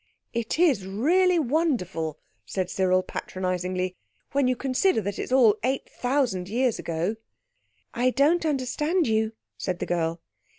"It is really wonderful," said Cyril patronizingly, "when you consider that it's all eight thousand years ago—" "I don't understand you," said the girl.